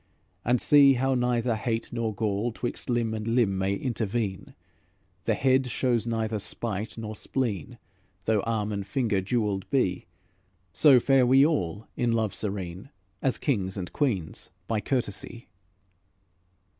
And see how neither hate nor gall 'Twixt limb and limb may intervene; The head shows neither spite nor spleen, Though arm and finger jewelled be, So fare we all in love serene, As kings and queens by courtesy."